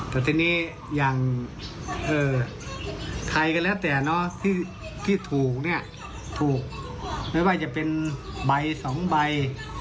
แต่ที่นี่ยังเออไทยก็แล้วแต่เนาะที่ทุกเนี่ยทูลไม่ว่าจะเป็นใบสองใบ